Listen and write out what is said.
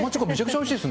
おいしいです。